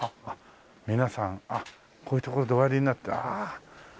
皆さんこういう所でおやりになってああ。